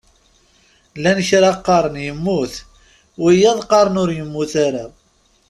Llan kra qqaren yemmut, wiyaḍ qqaren ur yemmut ara.